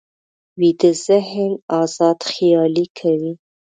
ویده ذهن ازاد خیالي کوي